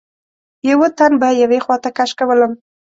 یوه تن به یوې خواته کش کولم.